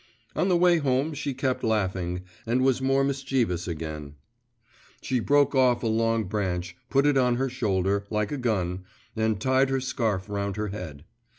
On the way home she kept laughing, and was more mischievous again. She broke off a long branch, put it on her shoulder, like a gun, and tied her scarf round her head.